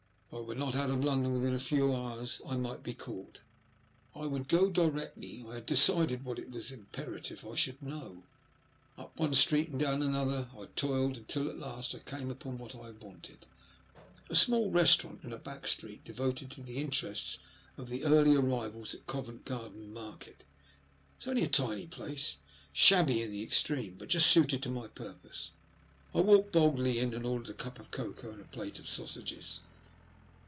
If I were not out of London within a few hours, I might be caught. I would go directly I had decided what it was imperative I should know. Up one street and down another I toiled until at last I came upon what I wanted, a small restaurant in a back street, devoted to the in terests of the early arrivals at Covent Garden Market. It was only a tiny place, shabby in the extreme, but as it just suited my purpose, I walked boldly in, and ordered a cup of cocoa and a plate of sausages.